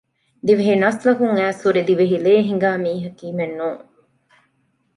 ދިވެހި ނަސްލަކުން އައިސްހުރި ދިވެހި ލޭހިނގާ މީހަކީމެއް ނޫން